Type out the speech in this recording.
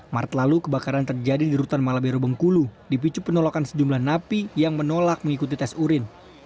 maret lalu kebakaran terjadi di rutan malabero bengkulu dipicu penolakan sejumlah napi yang menolak mengikuti tes urin